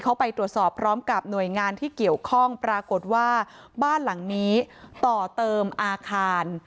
เขาไปตรวจสอบพร้อมกับหน่วยงานที่เกี่ยวข้องปรากฏว่าบ้านหลังนี้ต่อเติมอาคาร